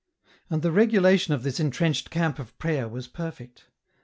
And the regulation of this entrenched camp of prayei was perfect.